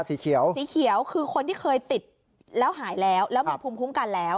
สีเขียวสีเขียวคือคนที่เคยติดแล้วหายแล้วแล้วมีภูมิคุ้มกันแล้ว